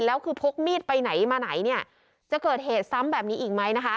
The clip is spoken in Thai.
แล้วคือพกมีดไปไหนมาไหนเนี่ยจะเกิดเหตุซ้ำแบบนี้อีกไหมนะคะ